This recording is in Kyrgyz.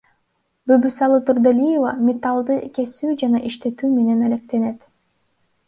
Бүбүсалы Турдалиева металлды кесүү жана иштетүү менен алектенет.